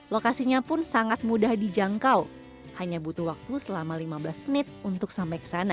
lokasinya pun sangat mudah dijangkau hanya butuh waktu selama lima belas menit untuk sampai ke sana